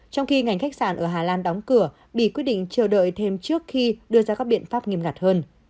trong khi ngành khách sạn ở hà lan đóng cửa bị quyết định chờ đợi thêm trước khi đưa ra các biện pháp nghiêm ngặt hơn